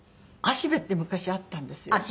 あしべって昔あったんですよ